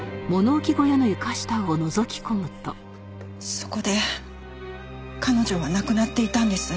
そこで彼女は亡くなっていたんです。